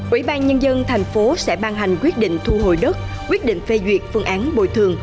ủy ban nhân dân thành phố sẽ ban hành quyết định thu hồi đất quyết định phê duyệt phương án bồi thường